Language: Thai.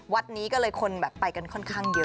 วัดนี้ก็เลยคนแบบไปกันค่อนข้างเยอะ